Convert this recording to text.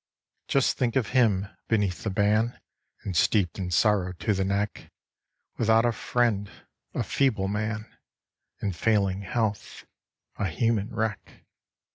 Just think of him beneath the ban, And steeped in sorrow to the neck, Without a friend a feeble man, In failing health a human wreck.